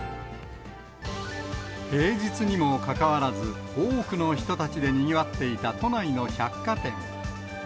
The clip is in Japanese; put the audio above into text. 平日にもかかわらず、多くの人たちでにぎわっていた都内の百貨店。